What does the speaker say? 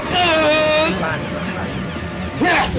kenapa udah buang itu